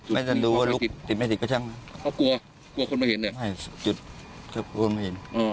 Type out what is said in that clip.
ไม่ทำดูว่าลุกติดไม่ติดก็ช่างเขากลัวกลัวคนมาเห็นไม่จุดเขากลัวมาเห็นอ๋อ